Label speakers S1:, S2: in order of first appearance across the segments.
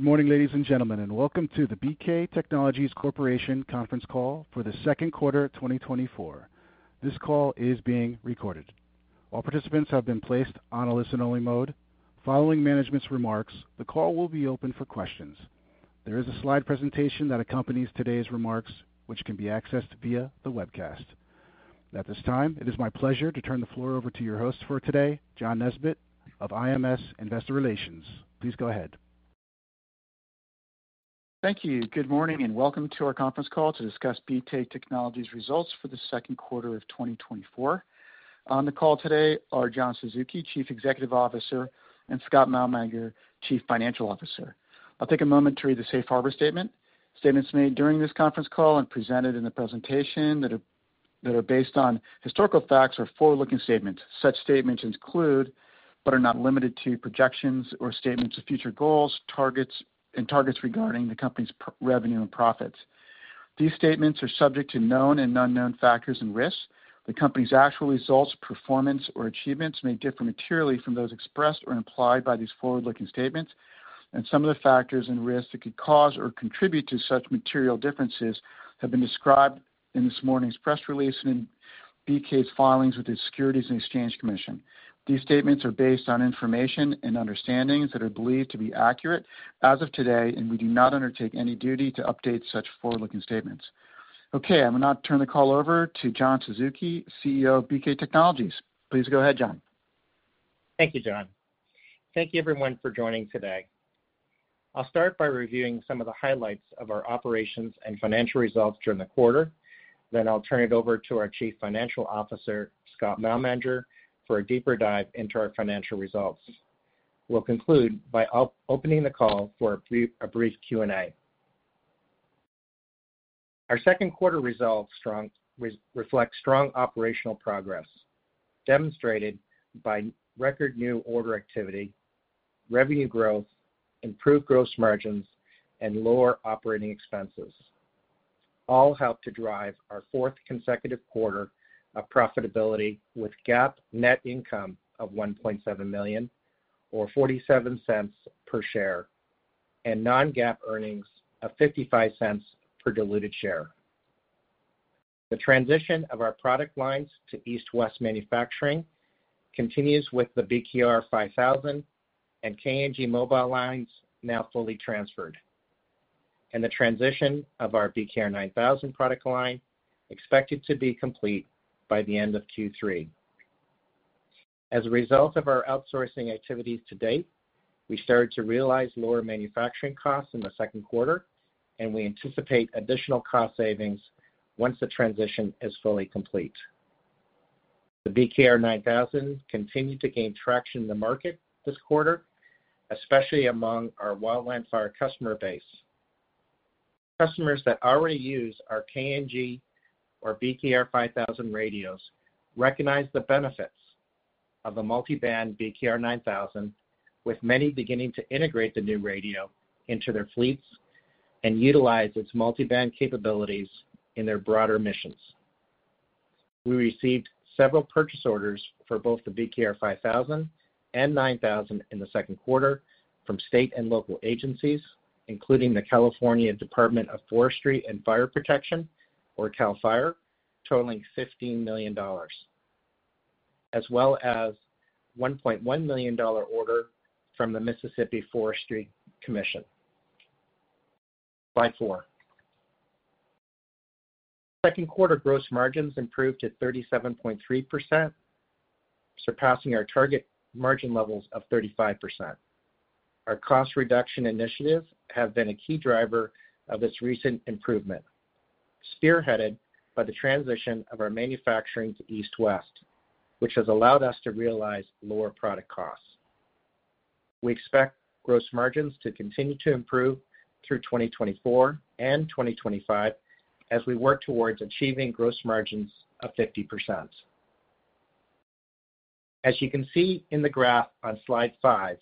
S1: Good morning, ladies and gentlemen, and welcome to the BK Technologies Corporation conference call for the second quarter of 2024. This call is being recorded. All participants have been placed on a listen-only mode. Following management's remarks, the call will be open for questions. There is a slide presentation that accompanies today's remarks, which can be accessed via the webcast. At this time, it is my pleasure to turn the floor over to your host for today, John Nesbett of IMS Investor Relations. Please go ahead.
S2: Thank you. Good morning, and welcome to our conference call to discuss BK Technologies results for the second quarter of 2024. On the call today are John Suzuki, Chief Executive Officer, and Scott Malmanger, Chief Financial Officer. I'll take a moment to read the Safe Harbor statement. Statements made during this conference call and presented in the presentation that are based on historical facts or forward-looking statements. Such statements include, but are not limited to, projections or statements of future goals, targets regarding the company's revenue and profits. These statements are subject to known and unknown factors and risks. The company's actual results, performance, or achievements may differ materially from those expressed or implied by these forward-looking statements, and some of the factors and risks that could cause or contribute to such material differences have been described in this morning's press release and in BK's filings with the Securities and Exchange Commission. These statements are based on information and understandings that are believed to be accurate as of today, and we do not undertake any duty to update such forward-looking statements. Okay, I will now turn the call over to John Suzuki, CEO of BK Technologies. Please go ahead, John.
S3: Thank you, John. Thank you, everyone, for joining today. I'll start by reviewing some of the highlights of our operations and financial results during the quarter. Then I'll turn it over to our Chief Financial Officer, Scott Malmanger, for a deeper dive into our financial results. We'll conclude by opening the call for a brief Q&A. Our second quarter results reflect strong operational progress, demonstrated by record new order activity, revenue growth, improved gross margins, and lower operating expenses, all helped to drive our fourth consecutive quarter of profitability with GAAP net income of $1.7 million, or $0.47 per share, and non-GAAP earnings of $0.55 per diluted share. The transition of our product lines to East West Manufacturing continues with the BKR 5000 and KNG Mobile lines now fully transferred, and the transition of our BKR 9000 product line expected to be complete by the end of Q3. As a result of our outsourcing activities to date, we started to realize lower manufacturing costs in the second quarter, and we anticipate additional cost savings once the transition is fully complete. The BKR 9000 continued to gain traction in the market this quarter, especially among our wildland fire customer base. Customers that already use our KNG or BKR 5000 radios recognize the benefits of a multiband BKR 9000, with many beginning to integrate the new radio into their fleets and utilize its multiband capabilities in their broader missions. We received several purchase orders for both the BKR 5000 and BKR 9000 in the second quarter from state and local agencies, including the California Department of Forestry and Fire Protection, or CAL FIRE, totaling $15 million, as well as $1.1 million order from the Mississippi Forestry Commission. Slide four. Second quarter gross margins improved to 37.3%, surpassing our target margin levels of 35%. Our cost reduction initiatives have been a key driver of this recent improvement, spearheaded by the transition of our manufacturing to East West, which has allowed us to realize lower product costs. We expect gross margins to continue to improve through 2024 and 2025 as we work towards achieving gross margins of 50%. As you can see in the graph on slide 5,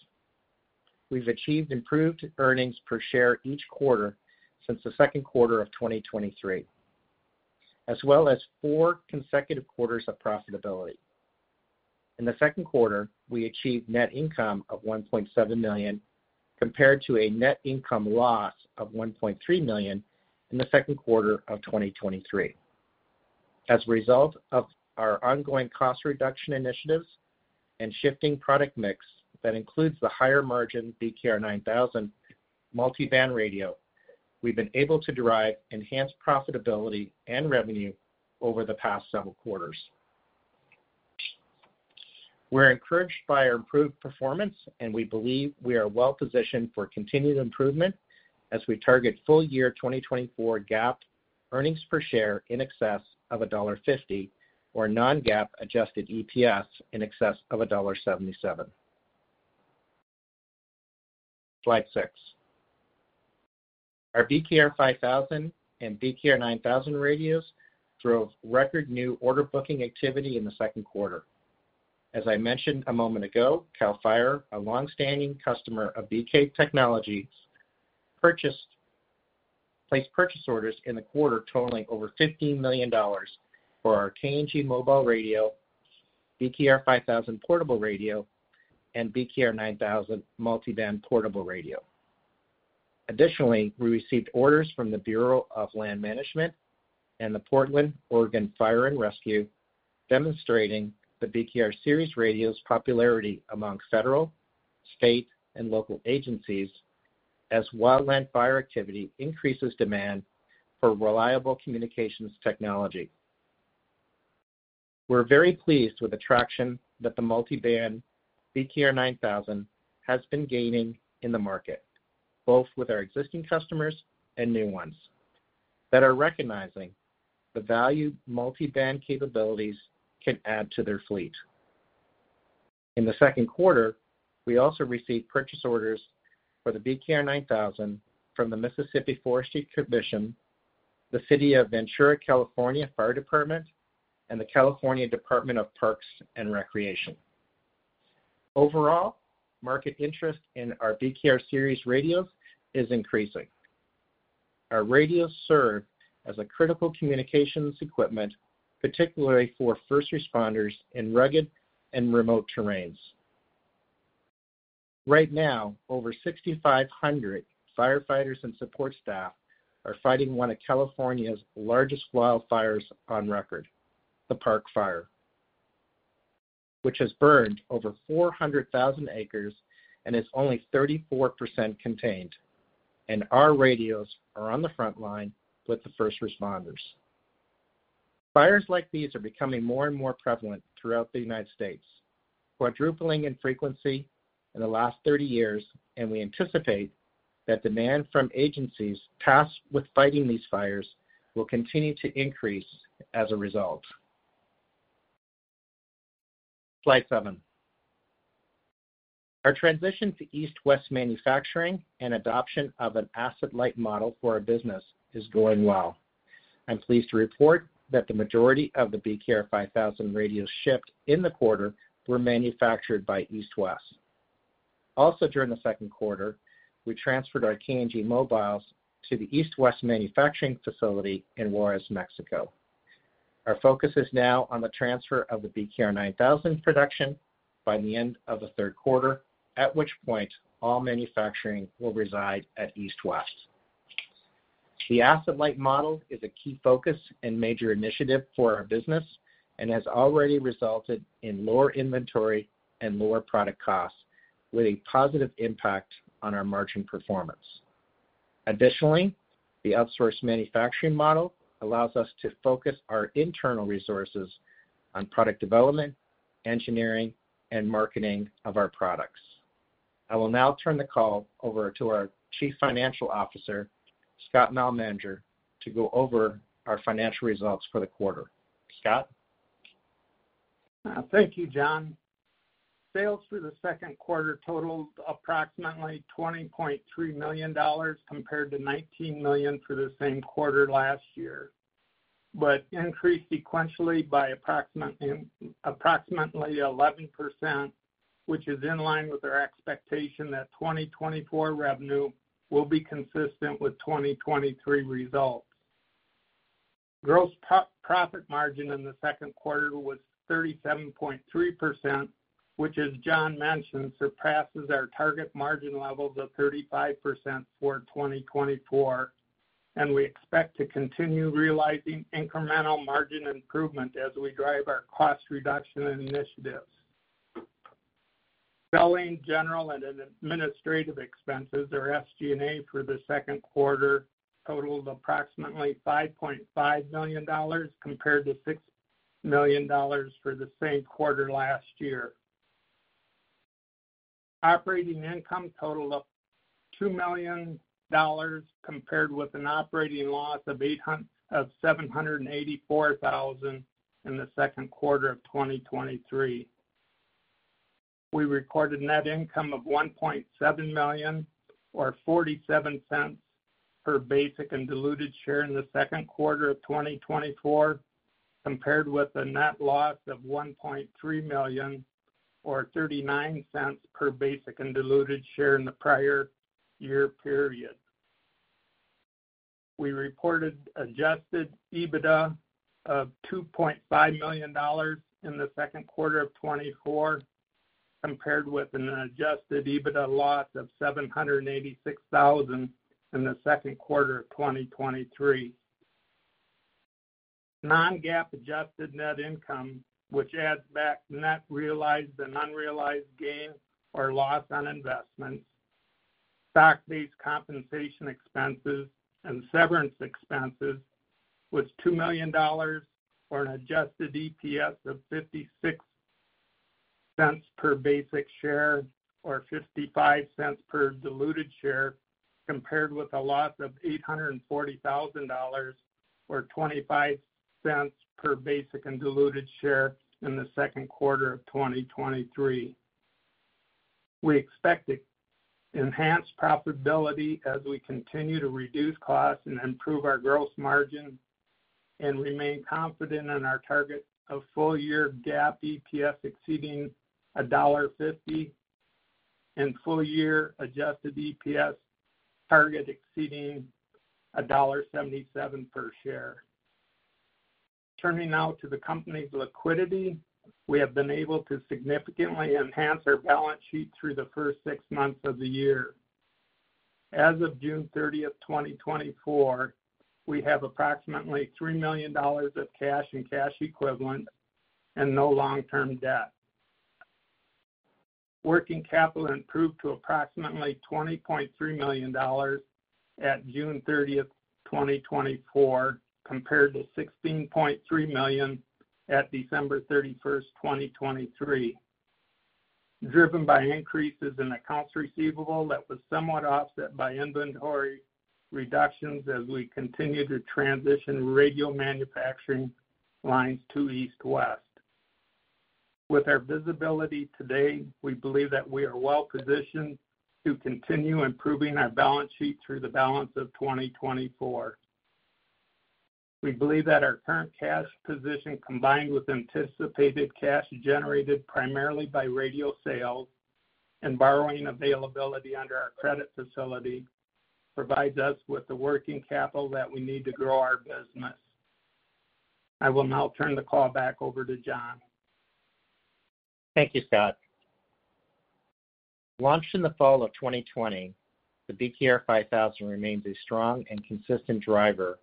S3: we've achieved improved earnings per share each quarter since the second quarter of 2023, as well as four consecutive quarters of profitability. In the second quarter, we achieved net income of $1.7 million, compared to a net income loss of $1.3 million in the second quarter of 2023. As a result of our ongoing cost reduction initiatives and shifting product mix, that includes the higher margin BKR 9000 multiband radio, we've been able to derive enhanced profitability and revenue over the past several quarters. We're encouraged by our improved performance, and we believe we are well positioned for continued improvement as we target full year 2024 GAAP earnings per share in excess of $1.50 or non-GAAP adjusted EPS in excess of $1.77. Slide 6. Our BKR 5000 and BKR 9000 radios drove record new order booking activity in the second quarter. As I mentioned a moment ago, CAL FIRE, a long-standing customer of BK Technologies, placed purchase orders in the quarter totaling over $15 million for our KNG Mobile radio, BKR 5000 portable radio, and BKR 9000 multiband portable radio. Additionally, we received orders from the Bureau of Land Management and the Portland, Oregon, Fire and Rescue, demonstrating the BKR Series radio's popularity among federal, state, and local agencies as wildland fire activity increases demand for reliable communications technology. We're very pleased with the traction that the multiband BKR 9000 has been gaining in the market, both with our existing customers and new ones, that are recognizing the value multiband capabilities can add to their fleet. In the second quarter, we also received purchase orders for the BKR 9000 from the Mississippi Forestry Commission, the City of Ventura, California, Fire Department, and the California Department of Parks and Recreation. Overall, market interest in our BKR Series radios is increasing. Our radios serve as a critical communications equipment, particularly for first responders in rugged and remote terrains. Right now, over 6,500 firefighters and support staff are fighting one of California's largest wildfires on record, the Park Fire, which has burned over 400,000 acres and is only 34% contained, and our radios are on the front line with the first responders. Fires like these are becoming more and more prevalent throughout the United States, quadrupling in frequency in the last 30 years, and we anticipate that demand from agencies tasked with fighting these fires will continue to increase as a result. Slide 7. Our transition to East West Manufacturing and adoption of an asset-light model for our business is going well. I'm pleased to report that the majority of the BKR 5000 radios shipped in the quarter were manufactured by East West. Also, during the second quarter, we transferred our KNG mobiles to the East West manufacturing facility in Juarez, Mexico. Our focus is now on the transfer of the BKR 9000 production by the end of the third quarter, at which point all manufacturing will reside at East West. The asset-light model is a key focus and major initiative for our business and has already resulted in lower inventory and lower product costs, with a positive impact on our margin performance. Additionally, the outsourced manufacturing model allows us to focus our internal resources on product development, engineering, and marketing of our products. I will now turn the call over to our Chief Financial Officer, Scott Malmanger, to go over our financial results for the quarter. Scott?
S4: Thank you, John. Sales for the second quarter totaled approximately $20.3 million, compared to $19 million for the same quarter last year, but increased sequentially by approximately 11%, which is in line with our expectation that 2024 revenue will be consistent with 2023 results. Gross profit margin in the second quarter was 37.3%, which, as John mentioned, surpasses our target margin levels of 35% for 2024, and we expect to continue realizing incremental margin improvement as we drive our cost reduction initiatives. Selling, general, and administrative expenses, or SG&A, for the second quarter totaled approximately $5.5 million, compared to $6 million for the same quarter last year. Operating income totaled $2 million, compared with an operating loss of $784,000 in the second quarter of 2023. We recorded net income of $1.7 million, or $0.47 per basic and diluted share in the second quarter of 2024, compared with a net loss of $1.3 million, or $0.39 per basic and diluted share in the prior year period. We reported Adjusted EBITDA of $2.5 million in the second quarter of 2024, compared with an Adjusted EBITDA loss of $786,000 in the second quarter of 2023. Non-GAAP adjusted net income, which adds back net realized and unrealized gain or loss on investments, stock-based compensation expenses, and severance expenses, was $2 million, or an adjusted EPS of $0.56 per basic share, or $0.55 per diluted share, compared with a loss of $840,000, or $0.25 per basic and diluted share in the second quarter of 2023. We expect to enhance profitability as we continue to reduce costs and improve our gross margin and remain confident in our target of full-year GAAP EPS exceeding $1.50... and full-year adjusted EPS target exceeding $1.77 per share. Turning now to the company's liquidity. We have been able to significantly enhance our balance sheet through the first six months of the year. As of June 30th, 2024, we have approximately $3 million of cash and cash equivalents and no long-term debt. Working capital improved to approximately $20.3 million at June 30th, 2024, compared to $16.3 million at December 31st, 2023, driven by increases in accounts receivable that was somewhat offset by inventory reductions as we continue to transition radio manufacturing lines to East West. With our visibility today, we believe that we are well positioned to continue improving our balance sheet through the balance of 2024. We believe that our current cash position, combined with anticipated cash generated primarily by radio sales and borrowing availability under our credit facility, provides us with the working capital that we need to grow our business. I will now turn the call back over to John.
S3: Thank you, Scott. Launched in the fall of 2020, the BKR 5000 remains a strong and consistent driver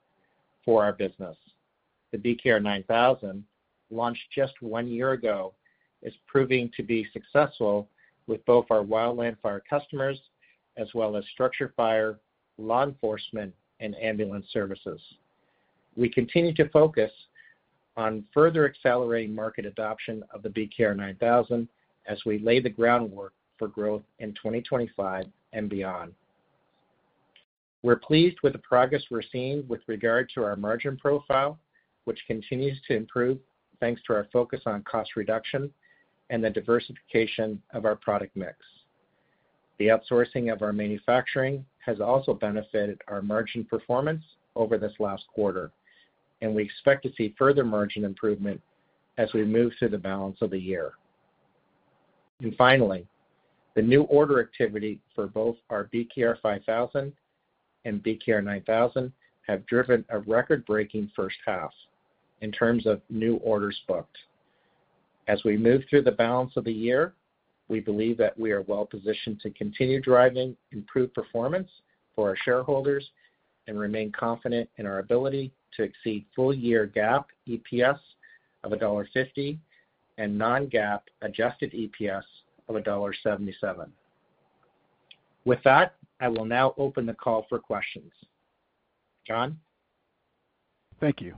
S3: for our business. The BKR 9000, launched just one year ago, is proving to be successful with both our wildland fire customers as well as structure fire, law enforcement, and ambulance services. We continue to focus on further accelerating market adoption of the BKR 9000 as we lay the groundwork for growth in 2025 and beyond. We're pleased with the progress we're seeing with regard to our margin profile, which continues to improve thanks to our focus on cost reduction and the diversification of our product mix. The outsourcing of our manufacturing has also benefited our margin performance over this last quarter, and we expect to see further margin improvement as we move through the balance of the year. Finally, the new order activity for both our BKR 5000 and BKR 9000 have driven a record-breaking first half in terms of new orders booked. As we move through the balance of the year, we believe that we are well positioned to continue driving improved performance for our shareholders and remain confident in our ability to exceed full-year GAAP EPS of $1.50 and non-GAAP adjusted EPS of $1.77. With that, I will now open the call for questions. John?
S1: Thank you.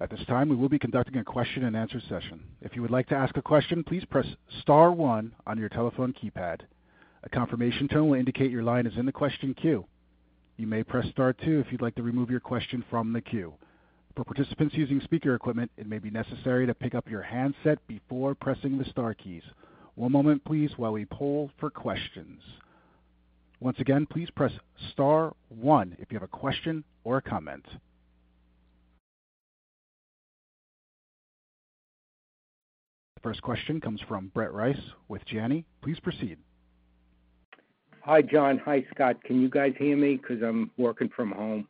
S1: At this time, we will be conducting a question-and-answer session. If you would like to ask a question, please press star one on your telephone keypad. A confirmation tone will indicate your line is in the question queue. You may press star two if you'd like to remove your question from the queue. For participants using speaker equipment, it may be necessary to pick up your handset before pressing the star keys. One moment, please, while we poll for questions. Once again, please press star one if you have a question or a comment. The first question comes from Brett Rice with Janney. Please proceed.
S5: Hi, John. Hi, Scott. Can you guys hear me? Because I'm working from home.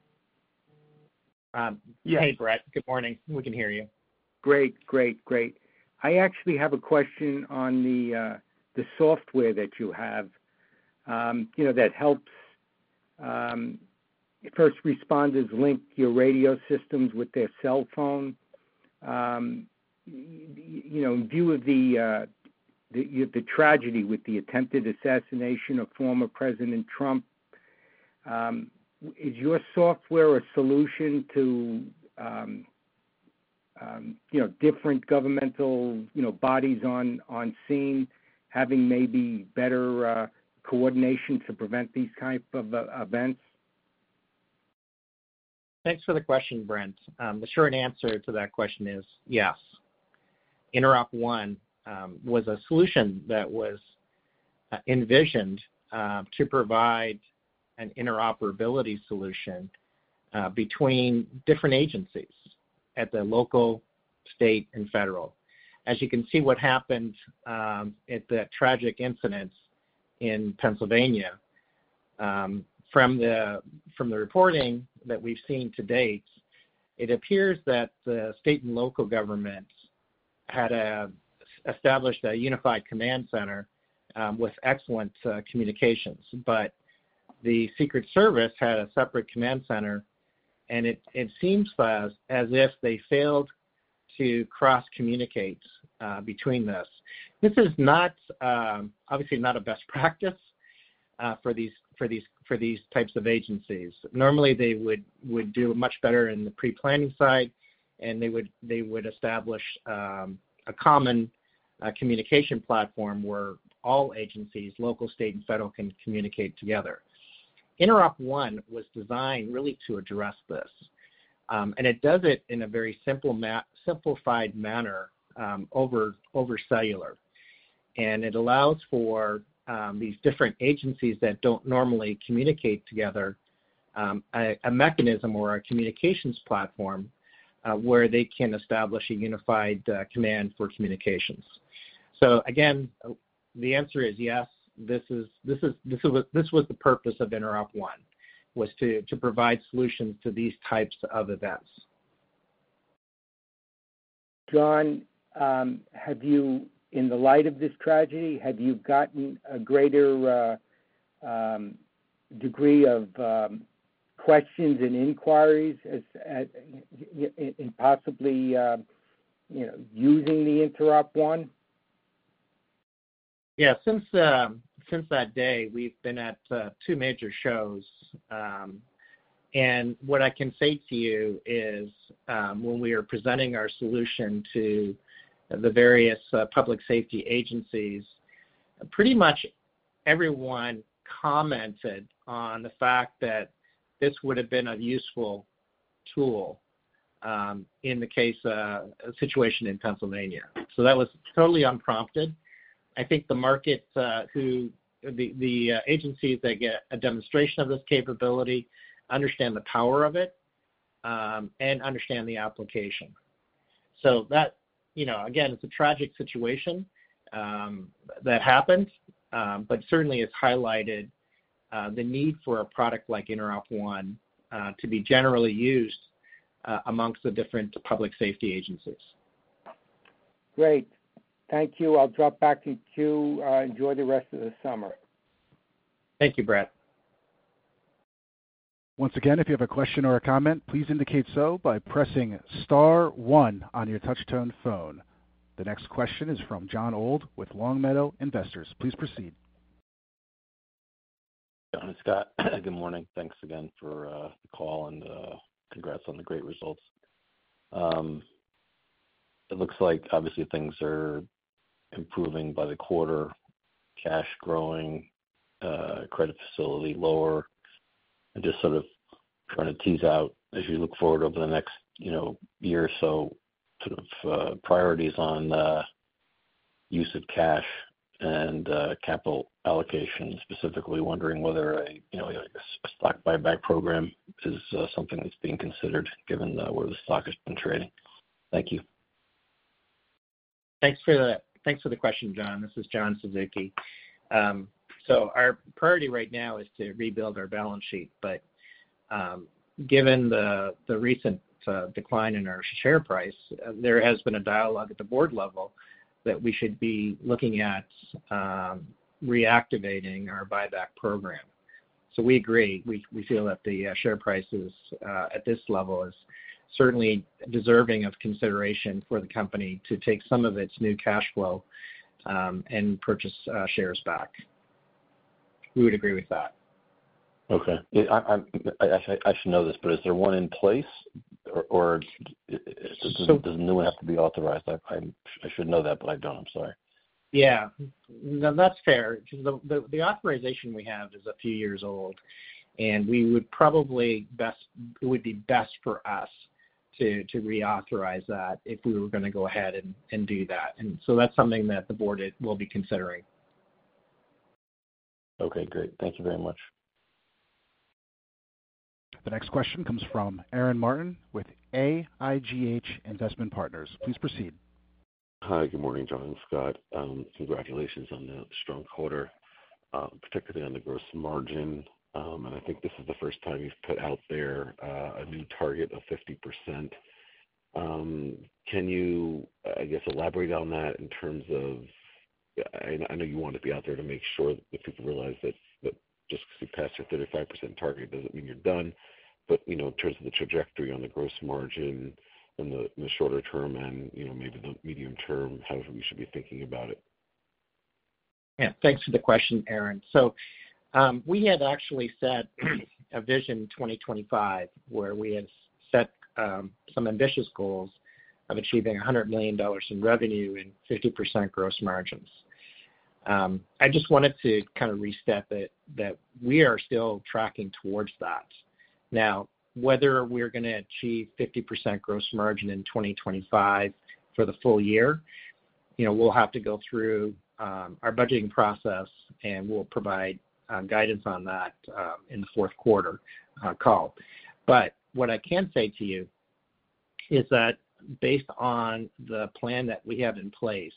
S3: Yes. Hey, Brett. Good morning. We can hear you.
S5: Great, great, great. I actually have a question on the software that you have, you know, that helps first responders link your radio systems with their cell phone. You know, in view of the tragedy with the attempted assassination of former President Trump, is your software a solution to, you know, different governmental bodies on scene having maybe better coordination to prevent these type of events?
S3: Thanks for the question, Brett. The short answer to that question is yes. InteropONE was a solution that was envisioned to provide an interoperability solution between different agencies at the local, state, and federal. As you can see, what happened at that tragic incident in Pennsylvania from the reporting that we've seen to date, it appears that the state and local governments had established a unified command center with excellent communications. But the Secret Service had a separate command center, and it seems as if they failed to cross-communicate between this. This is not obviously not a best practice for these types of agencies. Normally, they would do much better in the pre-planning side, and they would establish a common communication platform where all agencies, local, state, and federal, can communicate together. InteropONE was designed really to address this, and it does it in a very simplified manner over cellular. And it allows for these different agencies that don't normally communicate together, a mechanism or a communications platform where they can establish a unified command for communications. So again, the answer is yes. This was the purpose of InteropONE, was to provide solutions to these types of events.
S5: John, have you, in the light of this tragedy, have you gotten a greater degree of questions and inquiries as at, and possibly, you know, using the InteropONE?
S3: Yeah. Since that day, we've been at two major shows. And what I can say to you is, when we are presenting our solution to the various public safety agencies, pretty much everyone commented on the fact that this would have been a useful tool in the case situation in Pennsylvania. So that was totally unprompted. I think the markets, the agencies that get a demonstration of this capability understand the power of it and understand the application. So that, you know, again, it's a tragic situation that happened, but certainly it's highlighted the need for a product like InteropONE to be generally used amongst the different public safety agencies.
S5: Great. Thank you. I'll drop back to you. Enjoy the rest of the summer.
S3: Thank you, Brett.
S1: Once again, if you have a question or a comment, please indicate so by pressing star one on your touchtone phone. The next question is from Jon Old with Long Meadow Investors. Please proceed.
S6: John, it's Scott. Good morning. Thanks again for the call, and congrats on the great results. It looks like obviously things are improving by the quarter, cash growing, credit facility lower. I'm just sort of trying to tease out, as you look forward over the next, you know, year or so, sort of priorities on use of cash and capital allocation. Specifically wondering whether a, you know, a stock buyback program is something that's being considered given where the stock has been trading. Thank you.
S3: Thanks for the, thanks for the question, Jon. This is John Suzuki. So our priority right now is to rebuild our balance sheet, but, given the, the recent, decline in our share price, there has been a dialogue at the board level that we should be looking at, reactivating our buyback program. So we agree. We, we feel that the, share prices, at this level is certainly deserving of consideration for the company to take some of its new cash flow, and purchase, shares back. We would agree with that.
S6: Okay. Yeah, I should know this, but is there one in place, or does a new one have to be authorized? I should know that, but I don't. I'm sorry.
S3: Yeah. No, that's fair. The authorization we have is a few years old, and we would probably best, it would be best for us to reauthorize that if we were gonna go ahead and do that. And so that's something that the Board will be considering.
S6: Okay, great. Thank you very much.
S1: The next question comes from Aaron Martin with AIGH Investment Partners. Please proceed.
S7: Hi, good morning, John and Scott. Congratulations on the strong quarter, particularly on the gross margin. And I think this is the first time you've put out there, a new target of 50%. Can you, I guess, elaborate on that in terms of... I know you want to be out there to make sure that just because you passed your 35% target doesn't mean you're done. But, you know, in terms of the trajectory on the gross margin in the, in the shorter-term and, you know, maybe the medium-term, how we should be thinking about it?
S3: Yeah, thanks for the question, Aaron. So, we had actually set a Vision 2025, where we had set some ambitious goals of achieving $100 million in revenue and 50% gross margins. I just wanted to kind of restate that, that we are still tracking towards that. Now, whether we're gonna achieve 50% gross margin in 2025 for the full year, you know, we'll have to go through our budgeting process, and we'll provide guidance on that in the fourth quarter call. But what I can say to you is that based on the plan that we have in place,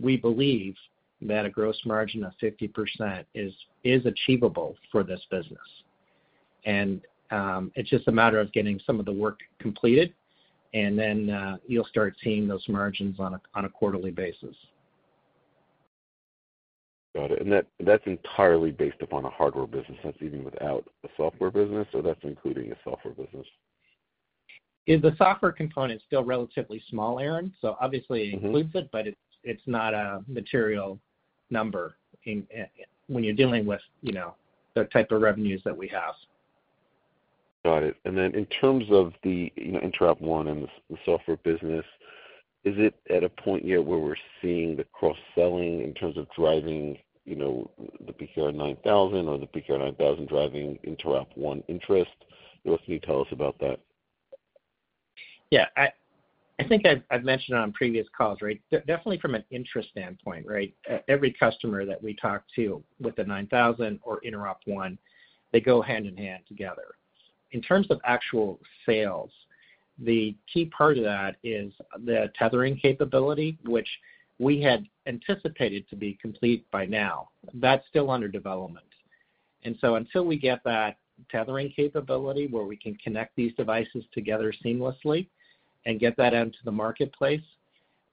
S3: we believe that a gross margin of 50% is, is achievable for this business. And, it's just a matter of getting some of the work completed, and then, you'll start seeing those margins on a quarterly basis.
S7: Got it. And that, that's entirely based upon a hardware business. That's even without the software business, or that's including the software business?
S3: The software component is still relatively small, Aaron, so obviously it includes it, but it's, it's not a material number in when you're dealing with, you know, the type of revenues that we have.
S7: Got it. And then in terms of the, you know, InteropONE and the, the software business, is it at a point yet where we're seeing the cross-selling in terms of driving, you know, the BKR 9000 or the BKR 9000 driving InteropONE interest? What can you tell us about that?
S3: Yeah, I think I've mentioned on previous calls, right? Definitely from an interest standpoint, right, every customer that we talk to with the 9000 or InteropONE, they go hand in hand together. In terms of actual sales, the key part of that is the tethering capability, which we had anticipated to be complete by now. That's still under development. And so until we get that tethering capability, where we can connect these devices together seamlessly and get that out into the marketplace,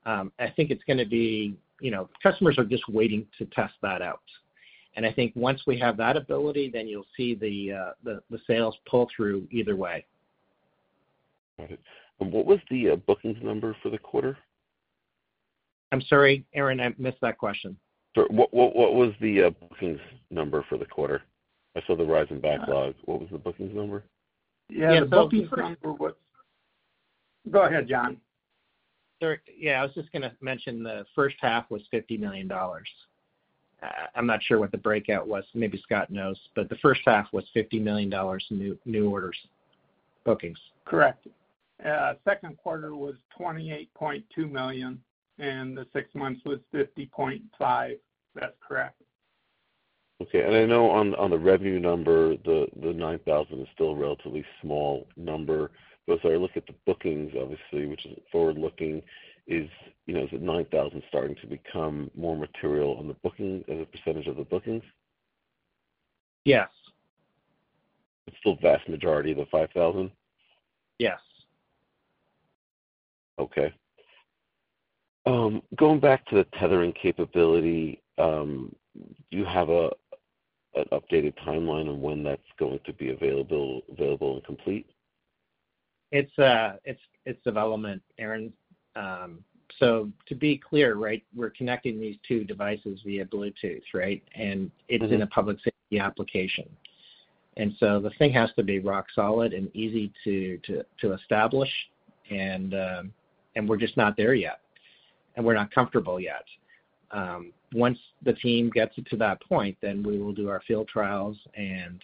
S3: I think it's gonna be, you know, customers are just waiting to test that out. And I think once we have that ability, then you'll see the sales pull through either way.
S7: Got it. And what was the bookings number for the quarter?
S3: I'm sorry, Aaron, I missed that question.
S7: Sorry, what, what, what was the bookings number for the quarter? I saw the rise in backlog. What was the bookings number?
S4: Yeah, the bookings number was-
S3: Yeah, the bookings number was-
S4: Go ahead, John.
S3: Sorry. Yeah, I was just gonna mention the first half was $50 million. I'm not sure what the breakdown was, maybe Scott knows, but the first half was $50 million new, new orders, bookings.
S4: Correct. Second quarter was $28.2 million, and the six months was $50.5 million. That's correct.
S7: Okay. I know on the revenue number, the 9000 is still a relatively small number. But as I look at the bookings, obviously, which is forward-looking, you know, is the 9000 starting to become more material on the booking, as a percentage of the bookings?
S3: Yes.
S7: It's still vast majority of the 5,000?
S3: Yes.
S7: Okay. Going back to the tethering capability, do you have a, an updated timeline on when that's going to be available and complete?
S3: It's development, Aaron. So to be clear, right, we're connecting these two devices via Bluetooth, right?
S7: Mm-hmm.
S3: It is in a public safety application. The thing has to be rock solid and easy to establish, and we're just not there yet, and we're not comfortable yet. Once the team gets it to that point, then we will do our field trials, and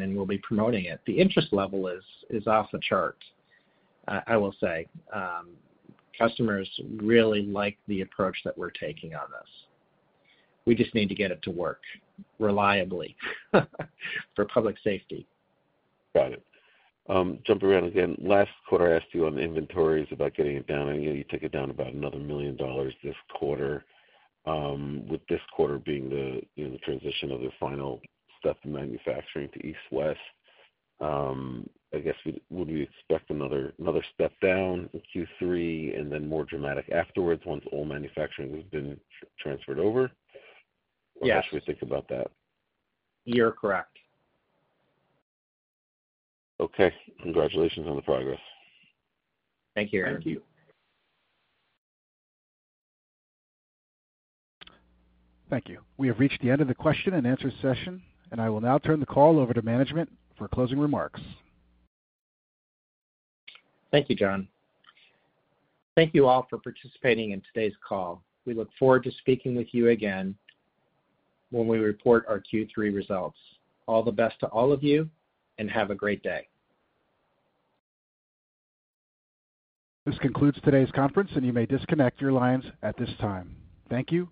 S3: then we'll be promoting it. The interest level is off the charts, I will say. Customers really like the approach that we're taking on this. We just need to get it to work reliably, for public safety.
S7: Got it. Jump around again. Last quarter, I asked you on the inventories about getting it down, and you know, you took it down about another $1 million this quarter. With this quarter being the, you know, the transition of the final step in manufacturing to East West, I guess, would we expect another step down in Q3 and then more dramatic afterwards, once all manufacturing has been transferred over?
S3: Yes.
S7: Or how should we think about that?
S3: You're correct.
S7: Okay. Congratulations on the progress.
S3: Thank you, Aaron.
S4: Thank you.
S1: Thank you. We have reached the end of the question-and-answer session, and I will now turn the call over to management for closing remarks.
S3: Thank you, John. Thank you all for participating in today's call. We look forward to speaking with you again when we report our Q3 results. All the best to all of you, and have a great day.
S1: This concludes today's conference, and you may disconnect your lines at this time. Thank you.